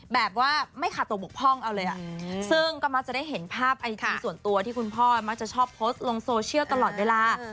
แบบว่าไม่ขาดตัวบกพ่องเอาเลยซึ่งก็มักจะได้เห็นภาพไอจีส่วนตัวที่คุณพ่อมักจะชอบโพสต์ลงโซเชียลตลอดเวลา